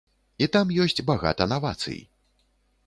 І там ёсць багата навацый.